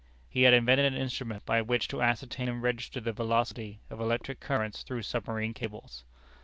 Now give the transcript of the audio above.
He had invented an instrument by which to ascertain and register the velocity of electric currents through submarine cables.